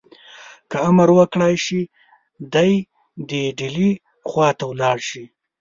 که امر وکړای شي دی دي ډهلي خواته ولاړ شي.